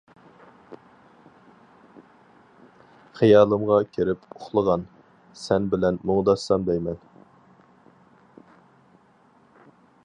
خىيالىمغا كىرىپ ئۇخلىغان، سەن بىلەن مۇڭداشسام دەيمەن.